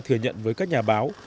thừa nhận với các nhà báo